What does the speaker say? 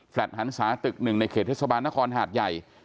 หันศาตึกหนึ่งในเขตเทศบาลนครหาดใหญ่